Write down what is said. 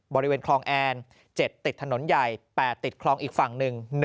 บริเวณคลองแอน๗ติดถนนใหญ่๘ติดคลองอีกฝั่งหนึ่ง